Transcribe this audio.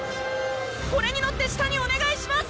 これに乗って下におねがいします！